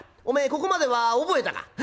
おめえここまでは覚えたか？」。